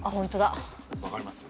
分かります？